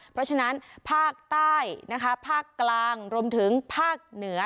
เพราะฉะนั้นภาคใต้นะคะภาคกลางรวมถึงภาคเหนือ